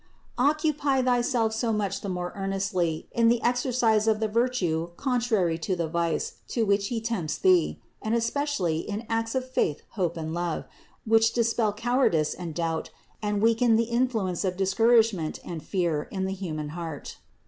Occupy thyself so much the more earnestly in the exer cise of the virtue contrary to the vice to which he tempts thee, and especially in acts of faith, hope and love, which THE INCARNATION 285 dispel cowardice and doubt, and weaken the influence of discouragement and fear in the human heart.